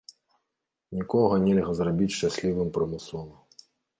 Нікога нельга зрабіць шчаслівым прымусова.